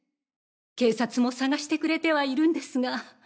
警察も捜してくれてはいるんですが。